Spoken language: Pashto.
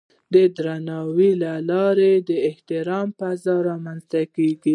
د درناوي له لارې د احترام فضا رامنځته کېږي.